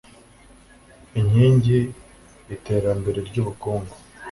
inkingi iterambere ry ubukungu